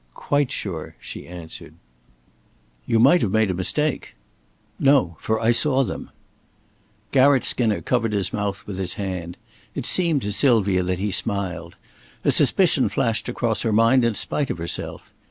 "Quite sure," she answered. "You might have made a mistake." "No; for I saw them." Garratt Skinner covered his mouth with his hand. It seemed to Sylvia that he smiled. A suspicion flashed across her mind, in spite of herself.